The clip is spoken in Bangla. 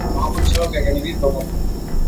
মহাপরিচালক একাডেমীর প্রধান।